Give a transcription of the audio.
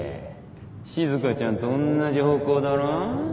しずかちゃんと同じ方向だろ。